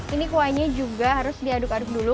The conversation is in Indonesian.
ini kuahnya juga harus diaduk aduk dulu